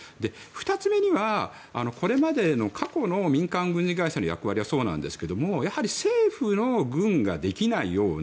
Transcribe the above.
２つ目には、これまでの過去の民間軍事会社の役割はそうなんですけれどもやはり政府の軍ができないような